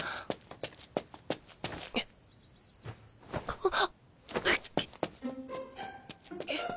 あっ！